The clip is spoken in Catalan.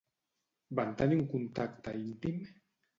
Van tenir un contacte íntim?